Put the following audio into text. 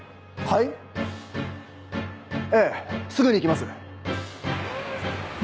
ええすぐに行きます。